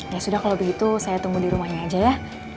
ya sudah kalau begitu saya tunggu di rumahnya aja ya